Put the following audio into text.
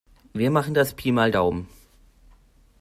Wir machen das Pi mal Daumen.